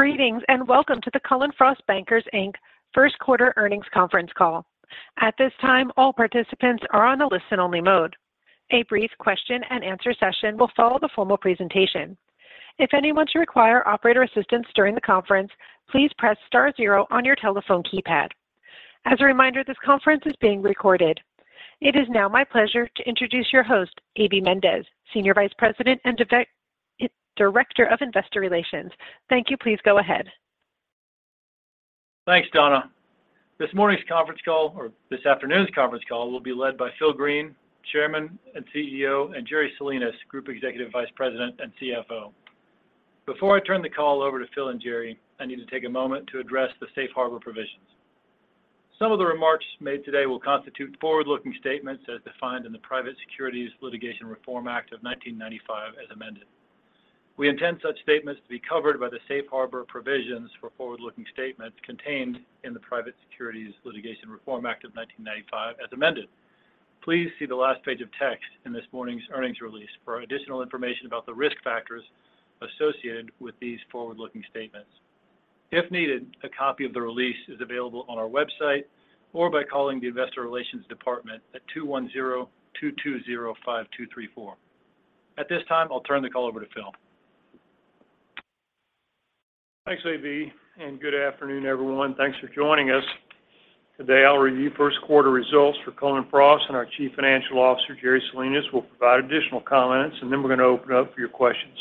Greetings, and welcome to the Cullen/Frost Bankers, Inc first quarter earnings conference call. At this time, all participants are on a listen only mode. A brief question and answer session will follow the formal presentation. If anyone should require operator assistance during the conference, please press star zero on your telephone keypad. As a reminder, this conference is being recorded. It is now my pleasure to introduce your host, A.B. Mendez, Senior Vice President and Director of Investor Relations. Thank you. Please go ahead. Thanks, Donna. This morning's conference call, or this afternoon's conference call, will be led by Phil Green, Chairman and CEO, and Jerry Salinas, Group Executive Vice President and CFO. Before I turn the call over to Phil and Jerry, I need to take a moment to address the safe harbor provisions. Some of the remarks made today will constitute forward-looking statements as defined in the Private Securities Litigation Reform Act of 1995 as amended. We intend such statements to be covered by the safe harbor provisions for forward-looking statements contained in the Private Securities Litigation Reform Act of 1995 as amended. Please see the last page of text in this morning's earnings release for additional information about the risk factors associated with these forward-looking statements. If needed, a copy of the release is available on our website or by calling the investor relations department at 210-220-5234. At this time, I'll turn the call over to Phil. Thanks, A.B., good afternoon, everyone. Thanks for joining us. Today, I'll review first quarter results for Cullen/Frost, and our Chief Financial Officer, Jerry Salinas, will provide additional comments. We're going to open it up for your questions.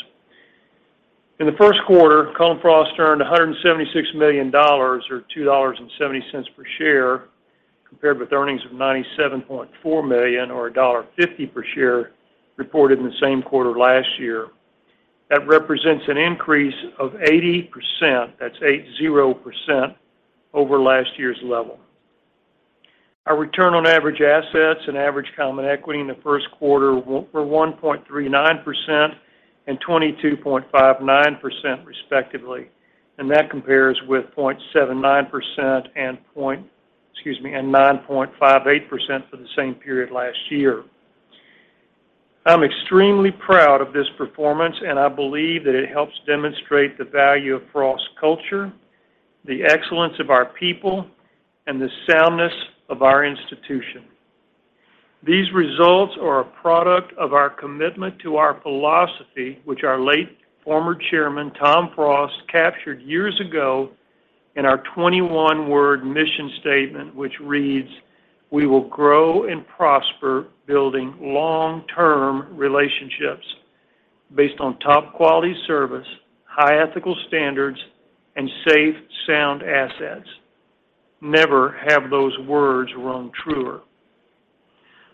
In the first quarter, Cullen/Frost earned $176 million or $2.70 per share compared with earnings of $97.4 million or $1.50 per share reported in the same quarter last year. That represents an increase of 80%, that's 80%, over last year's level. Our return on average assets and average common equity in the first quarter were 1.39% and 22.59% respectively. That compares with 0.79% and 9.58% for the same period last year. I'm extremely proud of this performance, and I believe that it helps demonstrate the value of Frost culture, the excellence of our people, and the soundness of our institution. These results are a product of our commitment to our philosophy, which our late former chairman, Tom Frost, captured years ago in our 21-word mission statement which reads, "We will grow and prosper building long-term relationships based on top-quality service, high ethical standards, and safe, sound assets." Never have those words rung truer.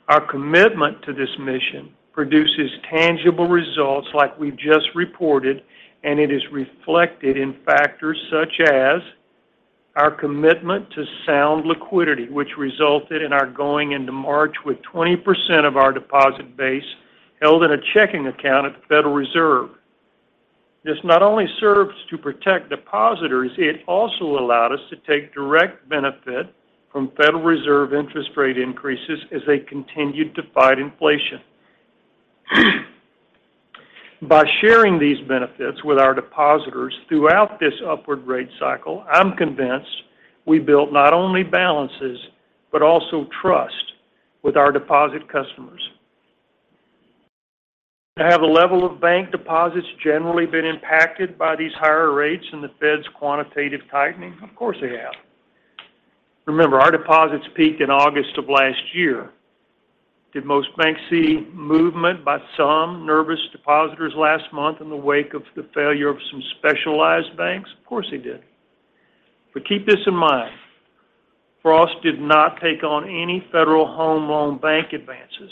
Our commitment to this mission produces tangible results like we just reported, and it is reflected in factors such as our commitment to sound liquidity, which resulted in our going into March with 20% of our deposit base held in a checking account at the Federal Reserve. This not only serves to protect depositors, it also allowed us to take direct benefit from Federal Reserve interest rate increases as they continued to fight inflation. By sharing these benefits with our depositors throughout this upward rate cycle, I'm convinced we built not only balances, but also trust with our deposit customers. Have the level of bank deposits generally been impacted by these higher rates and the Fed's quantitative tightening? Of course, they have. Remember, our deposits peaked in August of last year. Did most banks see movement by some nervous depositors last month in the wake of the failure of some specialized banks? Of course, they did. Keep this in mind, Frost did not take on any Federal Home Loan Bank advances.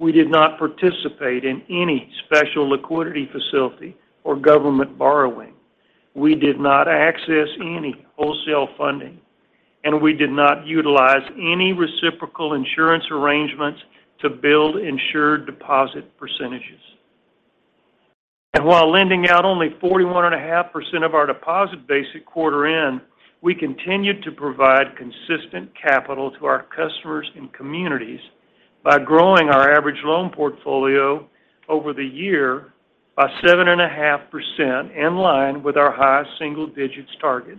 We did not participate in any special liquidity facility or government borrowing. We did not access any wholesale funding, and we did not utilize any reciprocal insurance arrangements to build insured deposit percentages. While lending out only 41.5% of our deposit base at quarter end, we continued to provide consistent capital to our customers and communities by growing our average loan portfolio over the year by 7.5% in line with our high single digits target.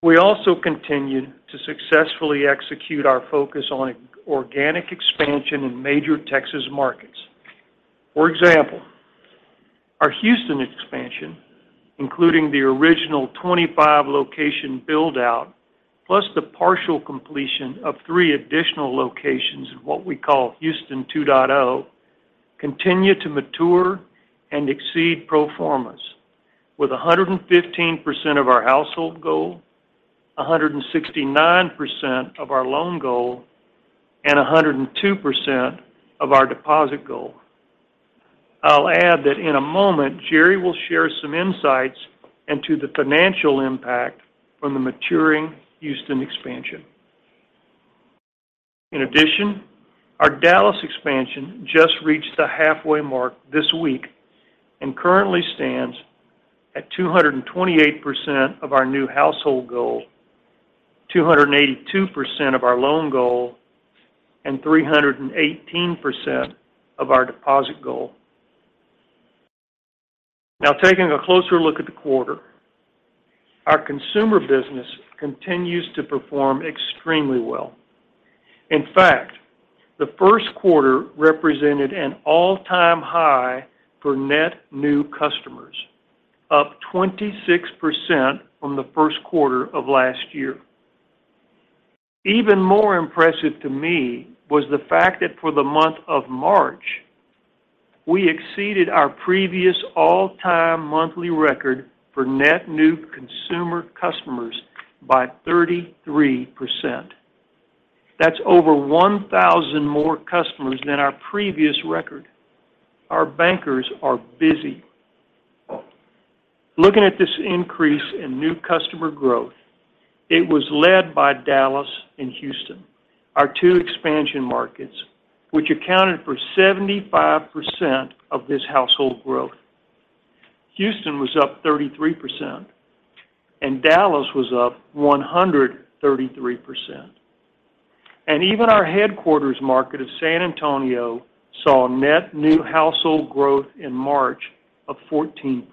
We also continued to successfully execute our focus on organic expansion in major Texas markets. For example, our Houston expansion, including the original 25 location build-out, plus the partial completion of three additional locations in what we call Houston 2.0, continue to mature and exceed pro formas with 115% of our household goal, 169% of our loan goal, and 102% of our deposit goal. I'll add that in a moment, Jerry will share some insights into the financial impact from the maturing Houston expansion. Our Dallas expansion just reached the halfway mark this week and currently stands at 228% of our new household goal. 282% of our loan goal and 318% of our deposit goal. Taking a closer look at the quarter, our consumer business continues to perform extremely well. The first quarter represented an all-time high for net new customers, up 26% from the first quarter of last year. Even more impressive to me was the fact that for the month of March, we exceeded our previous all-time monthly record for net new consumer customers by 33%. That's over 1,000 more customers than our previous record. Our bankers are busy. Looking at this increase in new customer growth, it was led by Dallas and Houston, our two expansion markets, which accounted for 75% of this household growth. Houston was up 33% and Dallas was up 133%. Even our headquarters market of San Antonio saw net new household growth in March of 14%.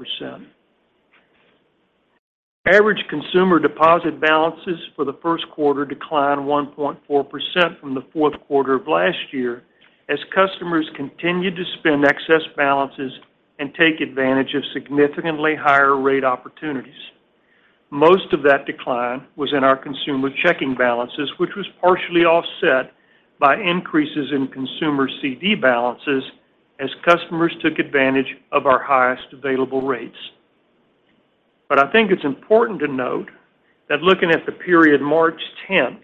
Average consumer deposit balances for the first quarter declined 1.4% from the fourth quarter of last year as customers continued to spend excess balances and take advantage of significantly higher rate opportunities. Most of that decline was in our consumer checking balances, which was partially offset by increases in consumer CD balances as customers took advantage of our highest available rates. I think it's important to note that looking at the period March 10th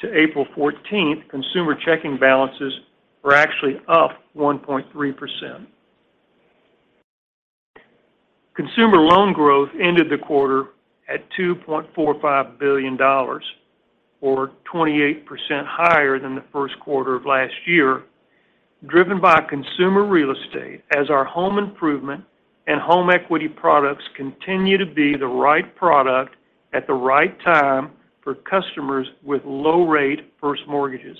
to April 14th, consumer checking balances were actually up 1.3%. Consumer loan growth ended the quarter at $2.45 billion or 28% higher than the first quarter of last year, driven by consumer real estate as our home improvement and home equity products continue to be the right product at the right time for customers with low rate first mortgages.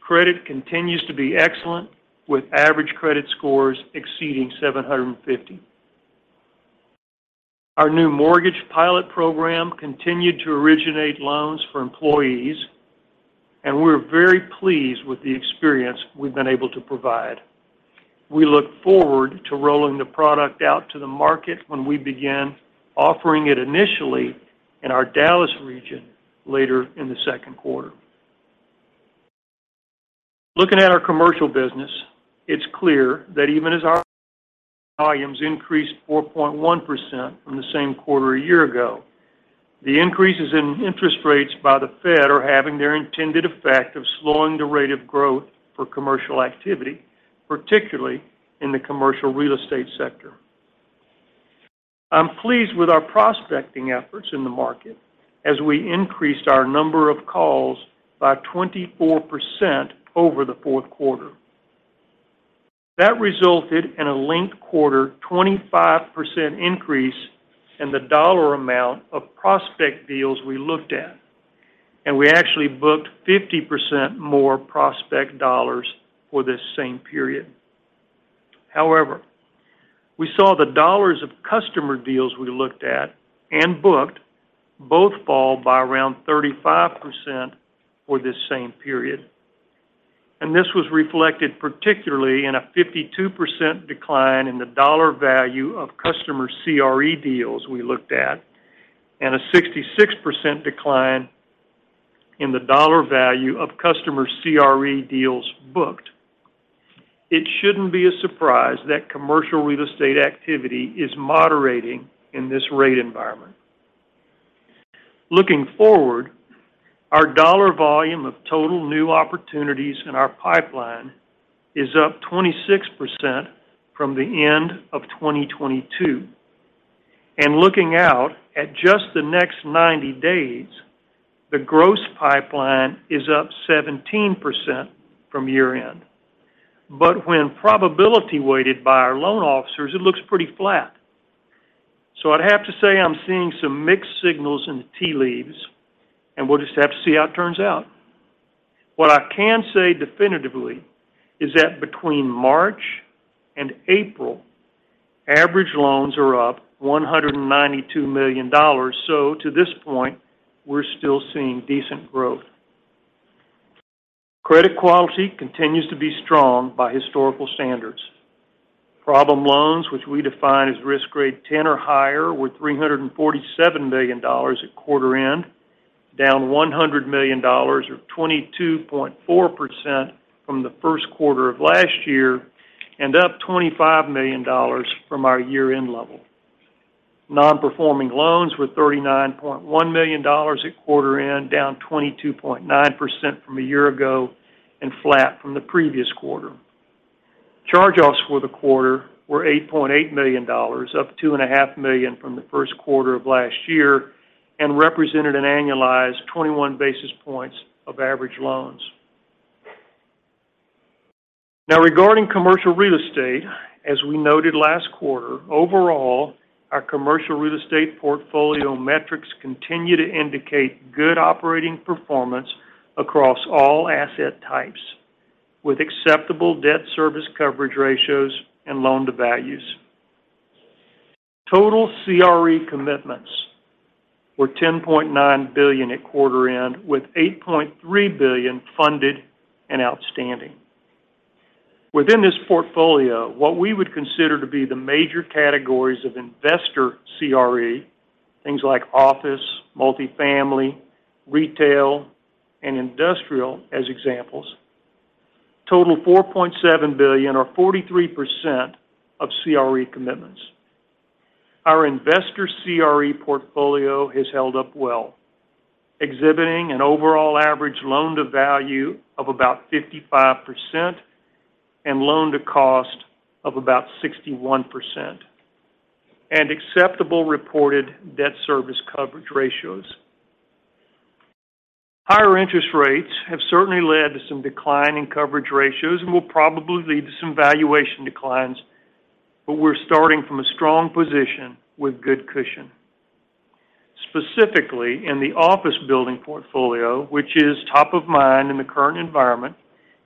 Credit continues to be excellent, with average credit scores exceeding 750. Our new mortgage pilot program continued to originate loans for employees, and we're very pleased with the experience we've been able to provide. We look forward to rolling the product out to the market when we begin offering it initially in our Dallas region later in the second quarter. Looking at our commercial business, it's clear that even as our volumes increased 4.1% from the same quarter a year ago, the increases in interest rates by the Fed are having their intended effect of slowing the rate of growth for commercial activity, particularly in the commercial real estate sector. I'm pleased with our prospecting efforts in the market as we increased our number of calls by 24% over the fourth quarter. That resulted in a linked quarter 25% increase in the dollar amount of prospect deals we looked at, and we actually booked 50% more prospect dollars for this same period. However, we saw the dollars of customer deals we looked at and booked both fall by around 35% for this same period. This was reflected particularly in a 52% decline in the dollar value of customer CRE deals we looked at and a 66% decline in the dollar value of customer CRE deals booked. It shouldn't be a surprise that commercial real estate activity is moderating in this rate environment. Looking forward, our dollar volume of total new opportunities in our pipeline is up 26% from the end of 2022. Looking out at just the next 90 days, the gross pipeline is up 17% from year-end. When probability weighted by our loan officers, it looks pretty flat. I'd have to say I'm seeing some mixed signals in the tea leaves, and we'll just have to see how it turns out. What I can say definitively is that between March and April, average loans are up $192 million. To this point, we're still seeing decent growth. Credit quality continues to be strong by historical standards. Problem loans, which we define as risk grade 10 or higher, were $347 million at quarter end, down $100 million or 22.4% from the first quarter of last year and up $25 million from our year-end level. Non-performing loans were $39.1 million at quarter end, down 22.9% from a year ago and flat from the previous quarter. Charge-offs for the quarter were $8.8 million, up two and a half million from the first quarter of last year and represented an annualized 21 basis points of average loans. Regarding commercial real estate, as we noted last quarter, overall, our commercial real estate portfolio metrics continue to indicate good operating performance across all asset types, with acceptable debt service coverage ratios and loan to values. Total CRE commitments were $10.9 billion at quarter end, with $8.3 billion funded and outstanding. Within this portfolio, what we would consider to be the major categories of investor CRE, things like office, multifamily, retail, and industrial as examples, total $4.7 billion or 43% of CRE commitments. Our investor CRE portfolio has held up well, exhibiting an overall average loan to value of about 55% and loan to cost of about 61%, acceptable reported debt service coverage ratios. Higher interest rates have certainly led to some decline in coverage ratios and will probably lead to some valuation declines, we're starting from a strong position with good cushion. Specifically, in the office building portfolio, which is top of mind in the current environment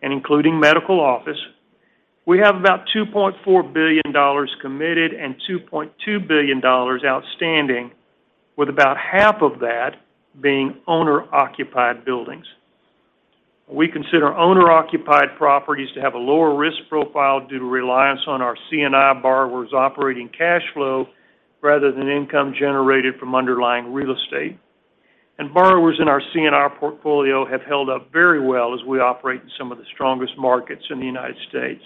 and including medical office, we have about $2.4 billion committed and $2.2 billion outstanding, with about half of that being owner-occupied buildings. We consider owner-occupied properties to have a lower risk profile due to reliance on our C&I borrowers' operating cash flow rather than income generated from underlying real estate. Borrowers in our C&I portfolio have held up very well as we operate in some of the strongest markets in the U.S.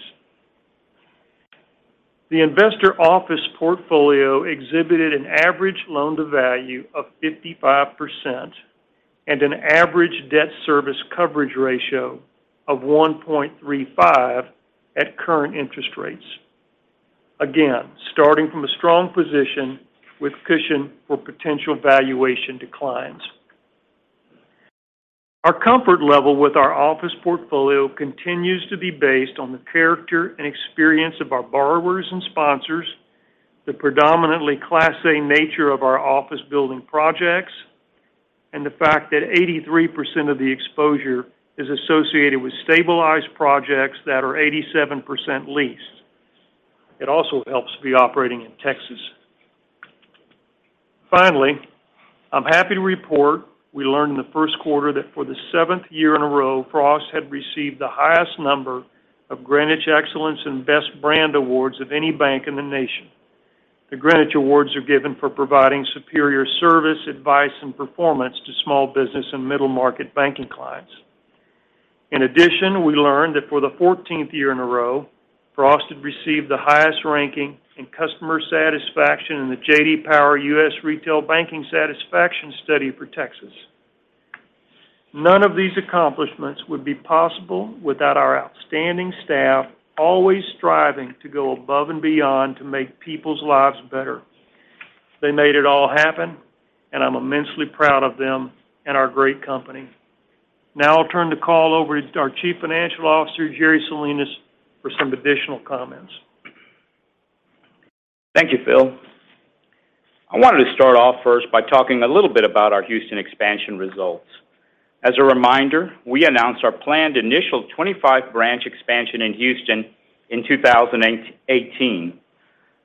The investor office portfolio exhibited an average loan to value of 55% and an average debt service coverage ratio of 1.35 at current interest rates. Again, starting from a strong position with cushion for potential valuation declines. Our comfort level with our office portfolio continues to be based on the character and experience of our borrowers and sponsors, the predominantly Class A nature of our office building projects, and the fact that 83% of the exposure is associated with stabilized projects that are 87% leased. It also helps to be operating in Texas. Finally, I'm happy to report we learned in the first quarter that for the seventh year in a row, Frost had received the highest number of Greenwich Excellence and Best Brand awards of any bank in the nation. The Greenwich Awards are given for providing superior service, advice, and performance to small business and middle-market banking clients. In addition, we learned that for the 14th year in a row, Frost had received the highest ranking in customer satisfaction in the J.D. Power U.S. Retail Banking Satisfaction Study for Texas. None of these accomplishments would be possible without our outstanding staff always striving to go above and beyond to make people's lives better. They made it all happen, and I'm immensely proud of them and our great company. Now I'll turn the call over to our Chief Financial Officer, Jerry Salinas, for some additional comments. Thank you, Phil. I wanted to start off first by talking a little bit about our Houston expansion results. As a reminder, we announced our planned initial 25 branch expansion in Houston in 2018.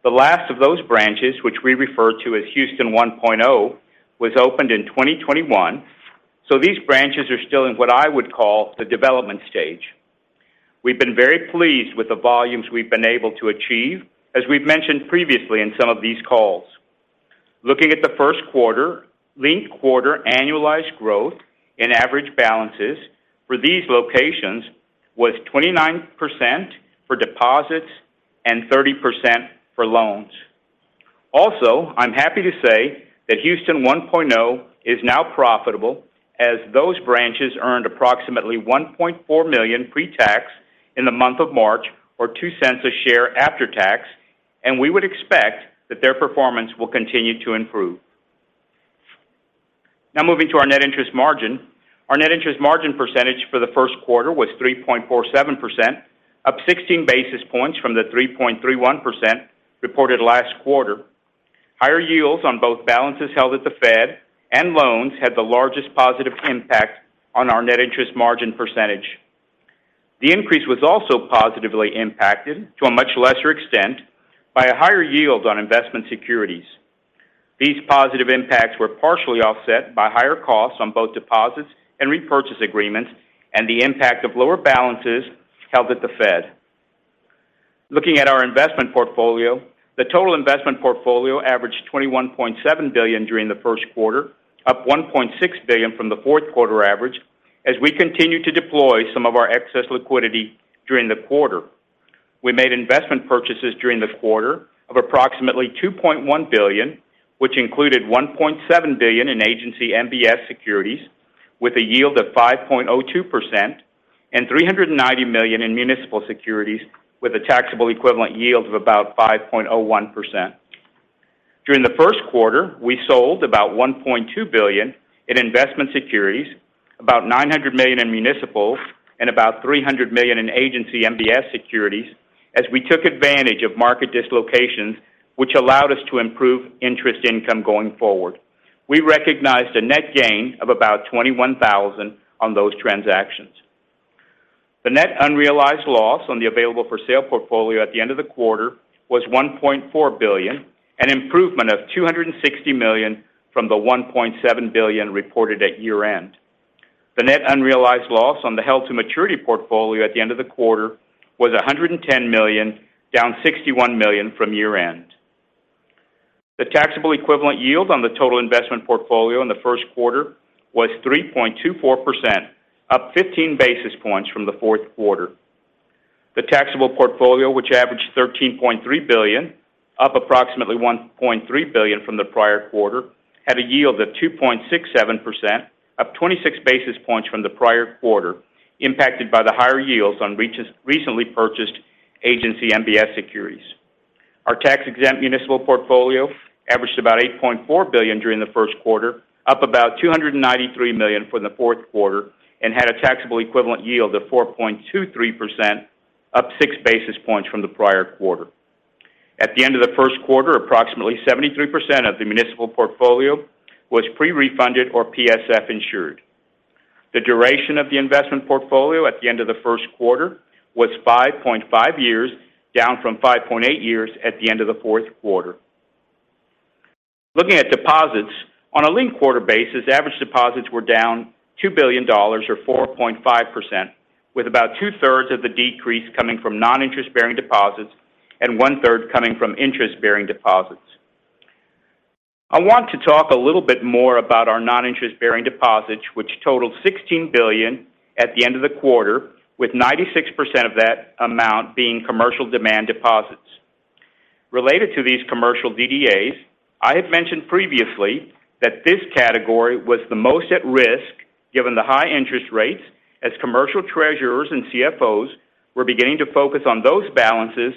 The last of those branches, which we refer to as Houston 1.0, was opened in 2021. These branches are still in what I would call the development stage. We've been very pleased with the volumes we've been able to achieve, as we've mentioned previously in some of these calls. Looking at the first quarter, linked quarter annualized growth in average balances for these locations was 29% for deposits and 30% for loans. I'm happy to say that Houston 1.0 is now profitable as those branches earned approximately $1.4 million pre-tax in the month of March or $0.02 a share after tax, and we would expect that their performance will continue to improve. Moving to our net interest margin. Our net interest margin percentage for the first quarter was 3.47%, up 16 basis points from the 3.31% reported last quarter. Higher yields on both balances held at the Fed and loans had the largest positive impact on our net interest margin percentage. The increase was also positively impacted to a much lesser extent by a higher yield on investment securities. These positive impacts were partially offset by higher costs on both deposits and repurchase agreements and the impact of lower balances held at the Fed. Looking at our investment portfolio, the total investment portfolio averaged $21.7 billion during the first quarter, up $1.6 billion from the fourth quarter average, as we continued to deploy some of our excess liquidity during the quarter. We made investment purchases during the quarter of approximately $2.1 billion, which included $1.7 billion in agency MBS securities with a yield of 5.02% and $390 million in municipal securities with a taxable equivalent yield of about 5.01%. During the first quarter, we sold about $1.2 billion in investment securities, about $900 million in municipal, and about $300 million in agency MBS securities as we took advantage of market dislocations which allowed us to improve interest income going forward. We recognized a net gain of about $21,000 on those transactions. The net unrealized loss on the available for sale portfolio at the end of the quarter was $1.4 billion, an improvement of $260 million from the $1.7 billion reported at year-end. The net unrealized loss on the held to maturity portfolio at the end of the quarter was $110 million, down $61 million from year-end. The taxable equivalent yield on the total investment portfolio in the first quarter was 3.24%, up 15 basis points from the fourth quarter. The taxable portfolio, which averaged $13.3 billion, up approximately $1.3 billion from the prior quarter, had a yield of 2.67%, up 26 basis points from the prior quarter, impacted by the higher yields on recently purchased agency MBS securities. Our tax-exempt municipal portfolio averaged about $8.4 billion during the first quarter, up about $293 million from the fourth quarter, and had a taxable equivalent yield of 4.23%, up 6 basis points from the prior quarter. At the end of the first quarter, approximately 73% of the municipal portfolio was pre-refunded or PSF insured. The duration of the investment portfolio at the end of the first quarter was 5.5 years, down from 5.8 years at the end of the fourth quarter. Looking at deposits on a linked quarter basis, average deposits were down $2 billion or 4.5%, with about two-thirds of the decrease coming from non-interest-bearing deposits and one-third coming from interest-bearing deposits. I want to talk a little bit more about our non-interest-bearing deposits, which totaled $16 billion at the end of the quarter, with 96% of that amount being commercial demand deposits. Related to these commercial DDAs, I had mentioned previously that this category was the most at risk given the high interest rates as commercial treasurers and CFOs were beginning to focus on those balances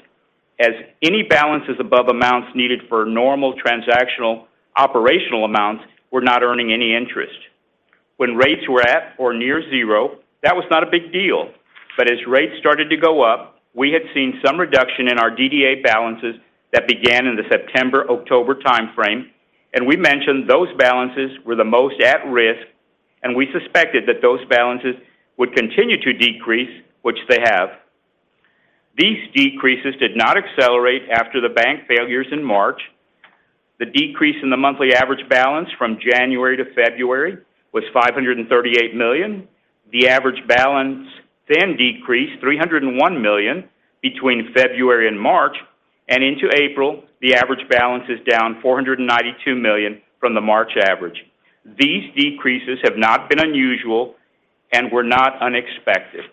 as any balances above amounts needed for normal transactional operational amounts were not earning any interest. When rates were at or near 0, that was not a big deal. As rates started to go up, we had seen some reduction in our DDA balances that began in the September-October time frame, and we mentioned those balances were the most at risk, and we suspected that those balances would continue to decrease, which they have. These decreases did not accelerate after the bank failures in March. The decrease in the monthly average balance from January to February was $538 million. The average balance decreased $301 million between February and March, and into April, the average balance is down $492 million from the March average. These decreases have not been unusual and were not unexpected.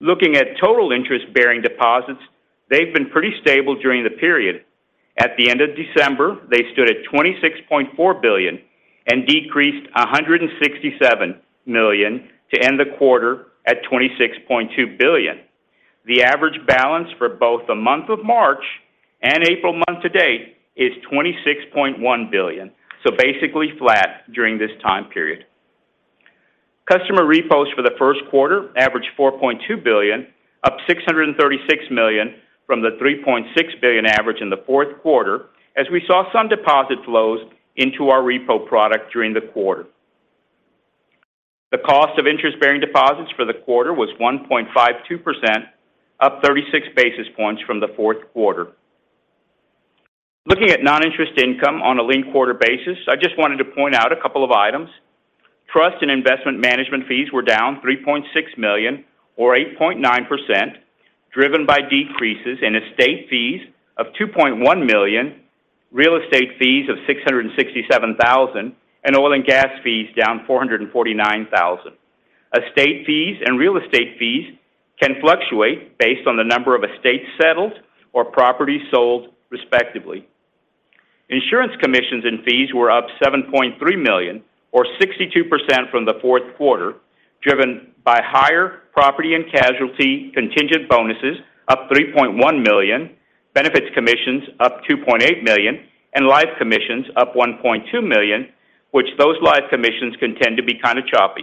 Looking at total interest-bearing deposits, they've been pretty stable during the period. At the end of December, they stood at $26.4 billion and decreased $167 million to end the quarter at $26.2 billion. The average balance for both the month of March and April month to date is $26.1 billion. Basically flat during this time period. Customer repos for the first quarter averaged $4.2 billion, up $636 million from the $3.6 billion average in the fourth quarter, as we saw some deposit flows into our repo product during the quarter. The cost of interest-bearing deposits for the quarter was 1.52%, up 36 basis points from the fourth quarter. Looking at non-interest income on a linked quarter basis, I just wanted to point out a couple of items. Trust and investment management fees were down $3.6 million or 8.9%, driven by decreases in estate fees of $2.1 million, real estate fees of $667 thousand, and oil and gas fees down $449 thousand. Estate fees and real estate fees can fluctuate based on the number of estates settled or property sold, respectively. Insurance commissions and fees were up $7.3 million or 62% from the fourth quarter, driven by higher property and casualty contingent bonuses up $3.1 million, benefits commissions up $2.8 million, and life commissions up $1.2 million, which those life commissions can tend to be kind of choppy.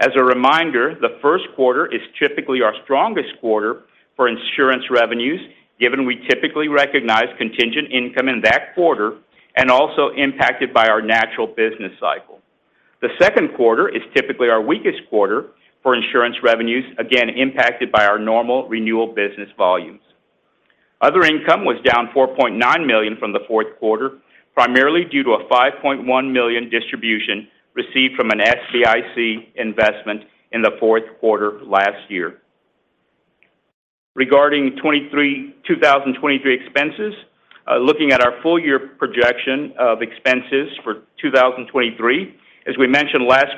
As a reminder, the first quarter is typically our strongest quarter for insurance revenues, given we typically recognize contingent income in that quarter and also impacted by our natural business cycle. The second quarter is typically our weakest quarter for insurance revenues, again impacted by our normal renewal business volumes. Other income was down $4.9 million from the fourth quarter, primarily due to a $5.1 million distribution received from an SBIC investment in the fourth quarter last year. Regarding 2023 expenses, looking at our full year projection of expenses for 2023, as we mentioned last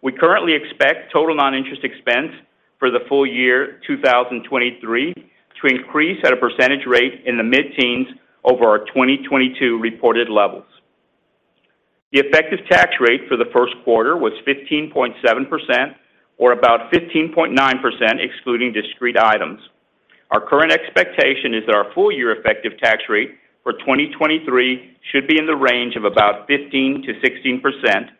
quarter, we currently expect total non-interest expense for the full year 2023 to increase at a percentage rate in the mid-teens over our 2022 reported levels. The effective tax rate for the first quarter was 15.7% or about 15.9% excluding discrete items. Our current expectation is that our full-year effective tax rate for 2023 should be in the range of about 15%-16%, but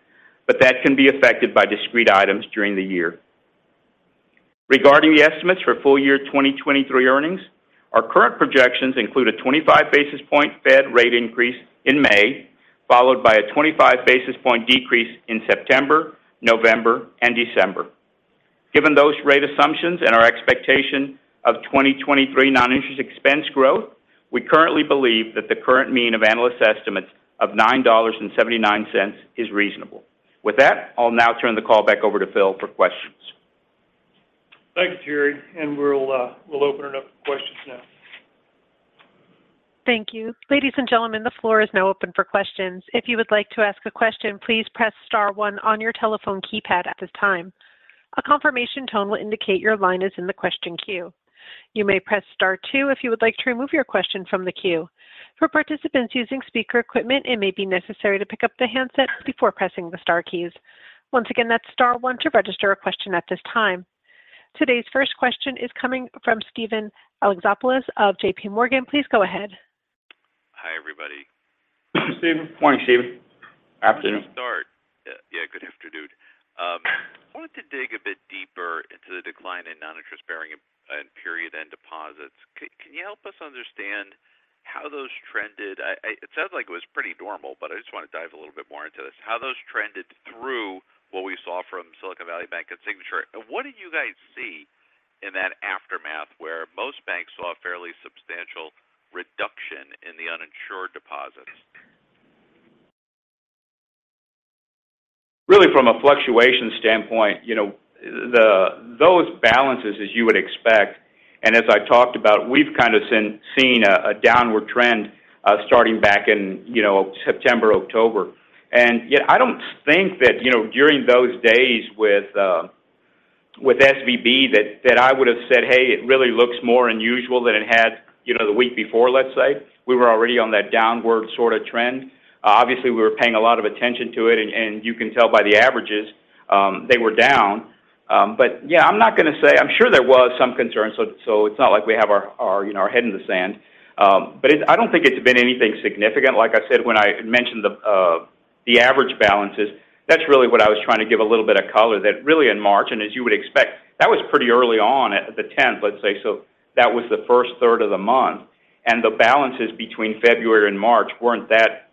that can be affected by discrete items during the year. Regarding the estimates for full year 2023 earnings, our current projections include a 25 basis point Fed rate increase in May, followed by a 25 basis point decrease in September, November, and December. Given those rate assumptions and our expectation of 2023 non-interest expense growth, we currently believe that the current mean of analyst estimates of $9.79 is reasonable. With that, I'll now turn the call back over to Phil for questions. Thank you, Jerry. We'll open it up for questions now. Thank you. Ladies and gentlemen, the floor is now open for questions. If you would like to ask a question, please press star one on your telephone keypad at this time. A confirmation tone will indicate your line is in the question queue. You may press star two if you would like to remove your question from the queue. For participants using speaker equipment, it may be necessary to pick up the handset before pressing the star keys. Once again, that's star one to register a question at this time. Today's first question is coming from Steven Alexopoulos of JPMorgan. Please go ahead. Hi, everybody. Good morning, Steven. Morning, Steven. Afternoon. Yeah, good afternoon. I wanted to dig a bit deeper into the decline in non-interest-bearing period and deposits. Can you help us understand how those trended? It sounds like it was pretty normal, but I just want to dive a little bit more into this. How those trended through what we saw from Silicon Valley Bank and Signature. What do you guys see in that aftermath where most banks saw a fairly substantial reduction in the uninsured deposits? Really, from a fluctuation standpoint, you know, those balances, as you would expect, as I talked about, we've kind of seen a downward trend, starting back in, you know, September, October. Yet I don't think that, you know, during those days with SVB that I would have said, "Hey, it really looks more unusual than it had, you know, the week before," let's say. We were already on that downward sort of trend. Obviously, we were paying a lot of attention to it. You can tell by the averages, they were down. Yeah, I'm not gonna say I'm sure there was some concern, so it's not like we have our, you know, our head in the sand. I don't think it's been anything significant. Like I said when I mentioned the average balances, that's really what I was trying to give a little bit of color. Really in March, and as you would expect, that was pretty early on at the 10th, let's say. That was the first third of the month. The balances between February and March weren't that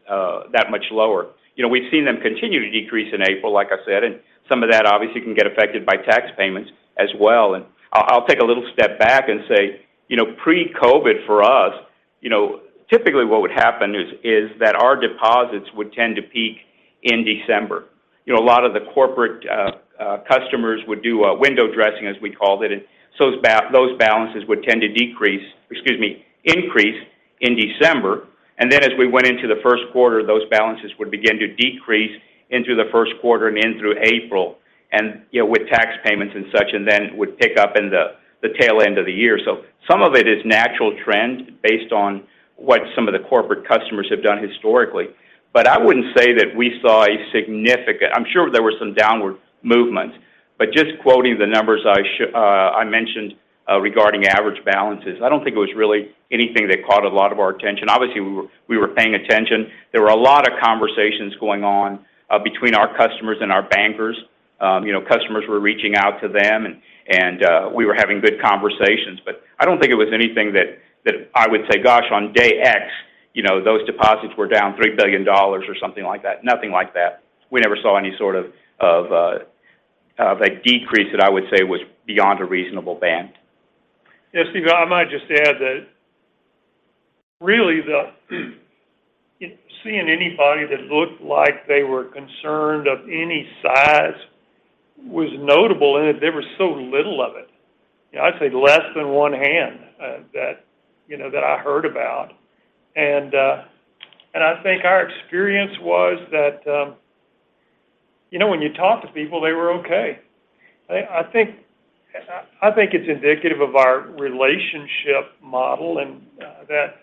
much lower. You know, we've seen them continue to decrease in April, like I said, and some of that obviously can get affected by tax payments as well. I'll take a little step back and say, you know, pre-COVID for us, you know, typically what would happen is that our deposits would tend to peak in December. You know, a lot of the corporate customers would do window dressing, as we called it. Those balances would tend to decrease, excuse me, increase in December. As we went into the first quarter, those balances would begin to decrease into the first quarter and in through April. You know, with tax payments and such, and then would pick up in the tail end of the year. Some of it is natural trend based on what some of the corporate customers have done historically. I wouldn't say that we saw a significant. I'm sure there were some downward movements, but just quoting the numbers I mentioned regarding average balances, I don't think it was really anything that caught a lot of our attention. Obviously, we were paying attention. There were a lot of conversations going on between our customers and our bankers. You know, customers were reaching out to them and, we were having good conversations. I don't think it was anything that I would say, gosh, on day X, you know, those deposits were down $3 billion or something like that. Nothing like that. We never saw any sort of a decrease that I would say was beyond a reasonable band. Yeah. Steven, I might just add that really the seeing anybody that looked like they were concerned of any size was notable in that there was so little of it. You know, I'd say less than one hand that, you know, I heard about. I think our experience was that, you know, when you talk to people, they were okay. I think it's indicative of our relationship model and that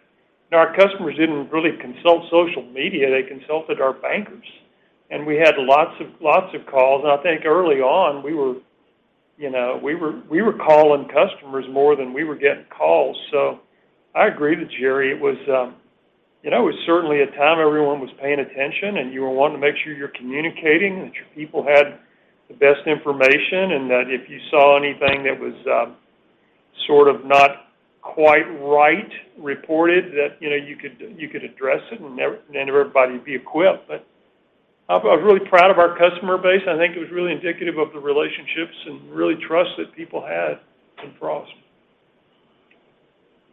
our customers didn't really consult social media. They consulted our bankers. We had lots of calls. I think early on we were, you know, we were calling customers more than we were getting calls. I agree with Jerry. It was, you know, it was certainly a time everyone was paying attention, and you were wanting to make sure you're communicating and that your people had the best information. That if you saw anything that was, sort of not quite right reported that, you know, you could, you could address it and everybody would be equipped. I'm really proud of our customer base. I think it was really indicative of the relationships and really trust that people had in Frost.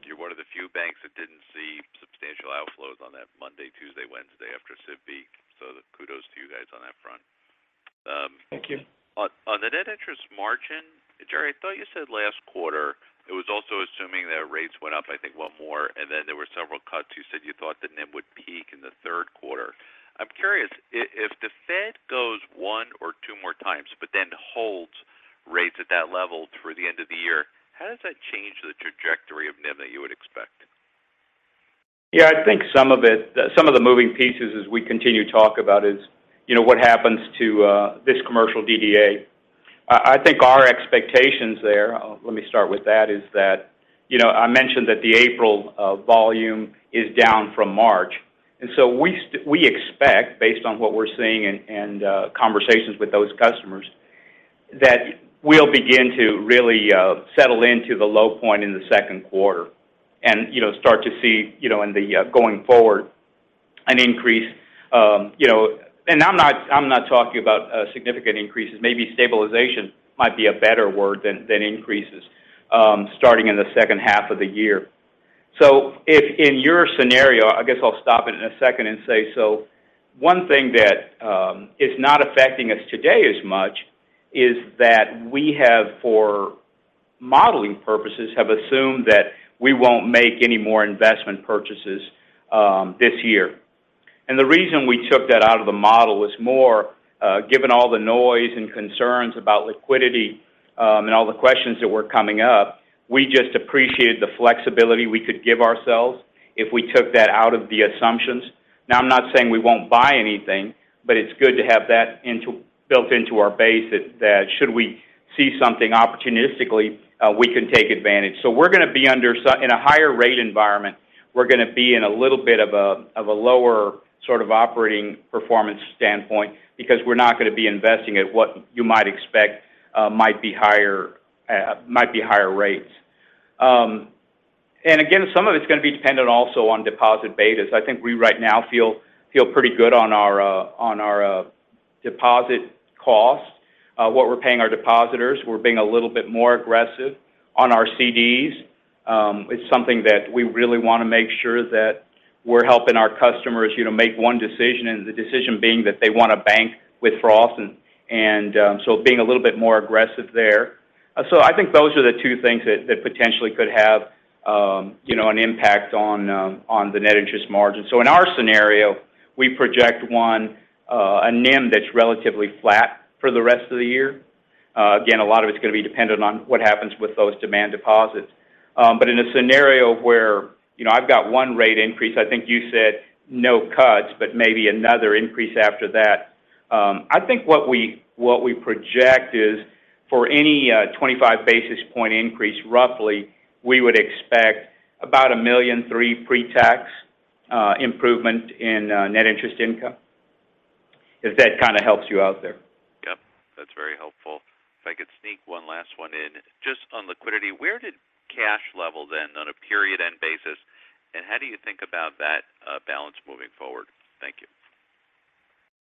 You're one of the few banks that didn't see substantial outflows on that Monday, Tuesday, Wednesday after SVB. The kudos to you guys on that front. Thank you. On the net interest margin, Jerry, I thought you said last quarter it was also assuming that rates went up, I think one more, and then there were several cuts. You said you thought the NIM would peak in the third quarter. I'm curious if the Fed goes one or two more times but then holds rates at that level through the end of the year. How does that change the trajectory of NIM that you would expect? Yeah, I think some of the moving pieces as we continue to talk about is, you know, what happens to this commercial DDA. I think our expectations there, let me start with that, is that, you know, I mentioned that the April volume is down from March. We expect based on what we're seeing and conversations with those customers that we'll begin to really settle into the low point in the second quarter and, you know, start to see, you know, in the going forward an increase. You know, I'm not talking about significant increases. Maybe stabilization might be a better word than increases, starting in the second half of the year. I guess I'll stop it in a second and say, so one thing that is not affecting us today as much is that we have, for modeling purposes, assumed that we won't make any more investment purchases this year. The reason we took that out of the model was more, given all the noise and concerns about liquidity, and all the questions that were coming up, we just appreciated the flexibility we could give ourselves if we took that out of the assumptions. I'm not saying we won't buy anything, but it's good to have that built into our base that should we see something opportunistically, we can take advantage. We're gonna be under in a higher rate environment. We're gonna be in a little bit of a lower sort of operating performance standpoint because we're not gonna be investing at what you might expect might be higher rates. Again, some of it's gonna be dependent also on deposit betas. I think we right now feel pretty good on our deposit costs. What we're paying our depositors. We're being a little bit more aggressive on our CDs. It's something that we really wanna make sure that we're helping our customers, you know, make one decision, and the decision being that they want to bank with Frost. Being a little bit more aggressive there. I think those are the two things that potentially could have, you know, an impact on the net interest margin. In our scenario, we project one, a NIM that's relatively flat for the rest of the year. Again, a lot of it's gonna be dependent on what happens with those demand deposits. In a scenario where, you know, I've got one rate increase, I think you said no cuts, but maybe another increase after that. I think what we project is for any 25 basis point increase, roughly, we would expect about $1.3 million pre-tax improvement in net interest income, if that kind of helps you out there. Yep, that's very helpful. If I could sneak one last one in. Just on liquidity, where did cash level then on a period end basis, and how do you think about that balance moving forward? Thank you.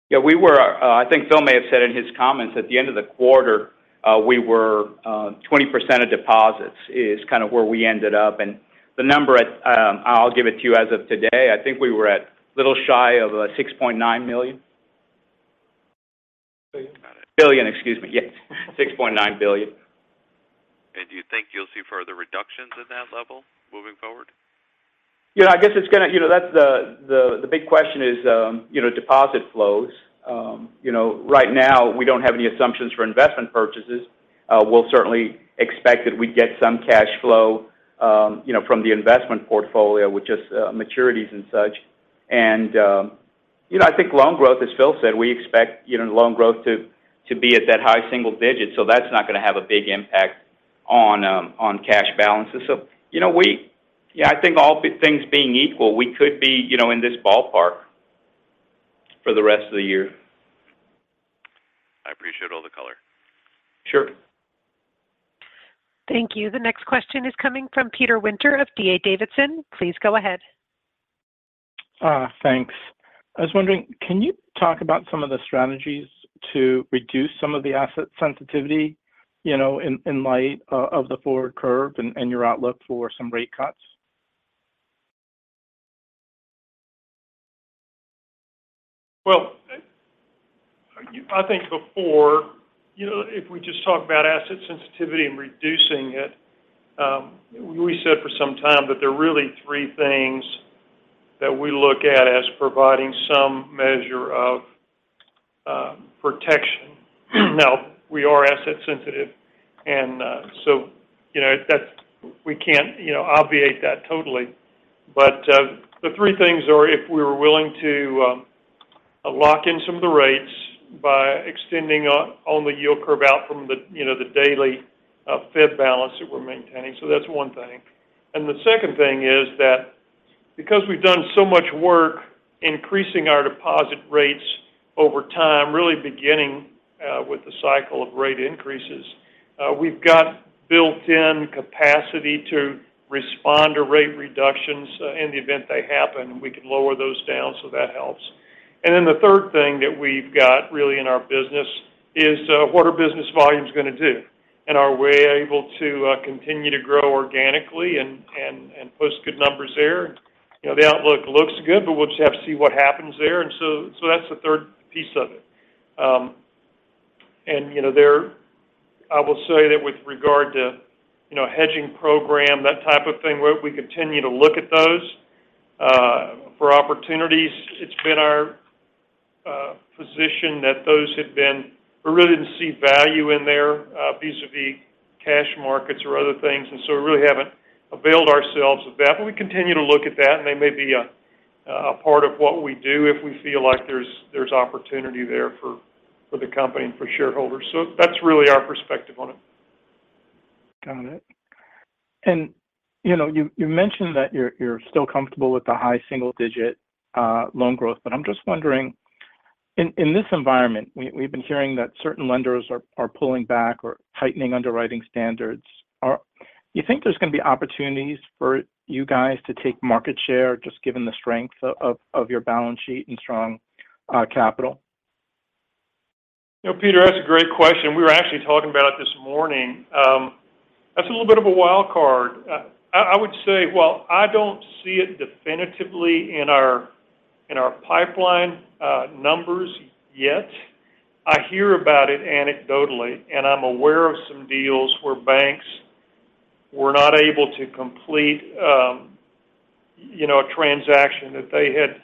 Yeah. I think Phil may have said in his comments, at the end of the quarter, we were 20% of deposits is kind of where we ended up. The number at... I'll give it to you as of today. I think we were at a little shy of $6.9 million. Billion. Billion. Excuse me. Yes. $6.9 billion. Do you think you'll see further reductions in that level moving forward? Yeah, I guess it's gonna. You know, that's the big question is, you know, deposit flows. You know, right now, we don't have any assumptions for investment purchases. We'll certainly expect that we get some cash flow, you know, from the investment portfolio with just maturities and such. You know, I think loan growth, as Phil said, we expect, you know, loan growth to be at that high single digits. That's not gonna have a big impact on cash balances. You know, Yeah, I think all things being equal, we could be, you know, in this ballpark for the rest of the year. I appreciate all the color. Sure. Thank you. The next question is coming from Peter Winter of D.A. Davidson. Please go ahead. Thanks. I was wondering, can you talk about some of the strategies to reduce some of the asset sensitivity, you know, in light of the forward curve and your outlook for some rate cuts? Well, I think before, you know, if we just talk about asset sensitivity and reducing it, we said for some time that there are really three things that we look at as providing some measure of protection. Now, we are asset sensitive and, you know, we can't, you know, obviate that totally. The three things are if we were willing to lock in some of the rates by extending on the yield curve out from the, you know, the daily Fed balance that we're maintaining. That's one thing. The second thing is that because we've done so much work increasing our deposit rates over time, really beginning with the cycle of rate increases, we've got built-in capacity to respond to rate reductions. In the event they happen, we can lower those down, so that helps. Then the third thing that we've got really in our business is, what are business volumes gonna do? Are we able to continue to grow organically and post good numbers there? You know, the outlook looks good, but we'll just have to see what happens there. So that's the third piece of it. You know, I will say that with regard to, you know, hedging program, that type of thing, we continue to look at those for opportunities. It's been our position that those had been, we really didn't see value in there, vis-à-vis cash markets or other things. So we really haven't availed ourselves of that. We continue to look at that, and they may be a part of what we do if we feel like there's opportunity there for the company and for shareholders. That's really our perspective on it. Got it. You know, you mentioned that you're still comfortable with the high single digit loan growth. I'm just wondering, in this environment, we've been hearing that certain lenders are pulling back or tightening underwriting standards. You think there's gonna be opportunities for you guys to take market share just given the strength of your balance sheet and strong capital? You know, Peter, that's a great question. We were actually talking about it this morning. That's a little bit of a wild card. I would say, well, I don't see it definitively in our, in our pipeline numbers yet. I hear about it anecdotally, I'm aware of some deals where banks were not able to complete, you know, a transaction that they had,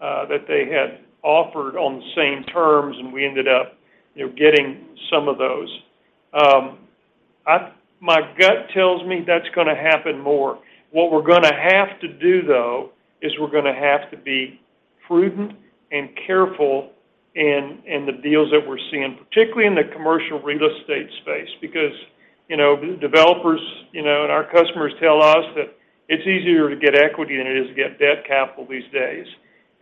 that they had offered on the same terms, and we ended up, you know, getting some of those. My gut tells me that's gonna happen more. What we're gonna have to do, though, is we're gonna have to be prudent and careful in the deals that we're seeing, particularly in the commercial real estate space. You know, developers, you know, and our customers tell us that it's easier to get equity than it is to get debt capital these days.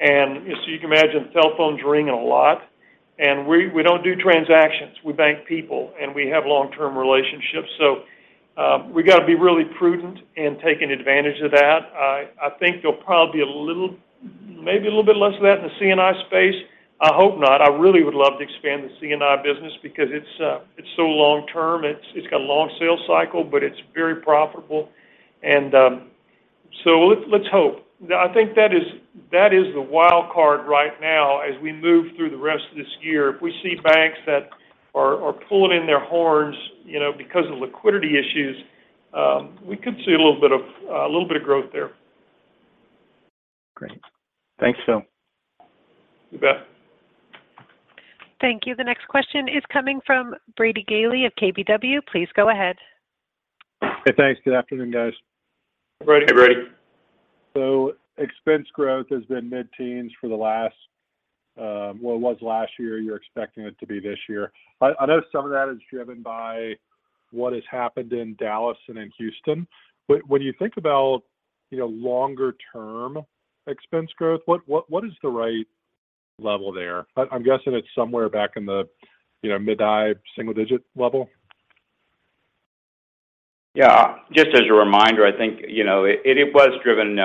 You can imagine cell phones ring a lot. We don't do transactions, we bank people, and we have long-term relationships. We gotta be really prudent in taking advantage of that. I think there'll probably be a little bit less of that in the C&I space. I hope not. I really would love to expand the C&I business because it's so long term. It's got a long sales cycle, but it's very profitable. Let's hope. I think that is the wild card right now as we move through the rest of this year. If we see banks that are pulling in their horns, you know, because of liquidity issues, we could see a little bit of growth there. Great. Thanks, Phil. You bet. Thank you. The next question is coming from Brady Gailey of KBW. Please go ahead. Hey, thanks. Good afternoon, guys. Hey, Brady. Hey, Brady. Expense growth has been mid-teens for the last, well, it was last year. You're expecting it to be this year. I know some of that is driven by what has happened in Dallas and in Houston. When you think about, you know, longer term expense growth, what is the right level there? I'm guessing it's somewhere back in the, you know, mid-high single digit level. Yeah. Just as a reminder, I think, you know, it was driven